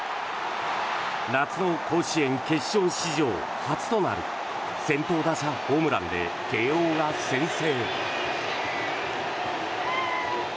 夏の甲子園決勝史上初となる先頭打者ホームランで慶応が先制。